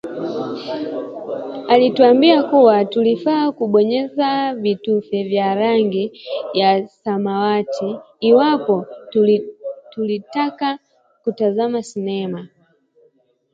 Alituambia kuwa tulifaa kubofya vitufe vya rangi ya samawati iwapo tulitaka kutazama sinema